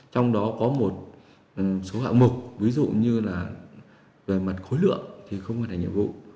trong đó có một số hạng mục ví dụ như là về mặt khối lượng thì không có thể nhiệm vụ